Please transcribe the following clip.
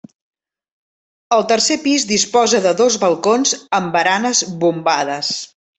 El tercer pis disposa de dos balcons amb baranes bombades.